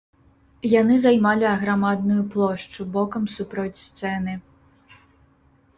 Яны займалі аграмадную плошчу, бокам супроць сцэны.